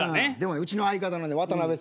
うちの相方のね渡邊さん